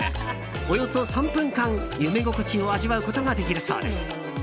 およそ３分間、夢心地を味わうことができるそうです。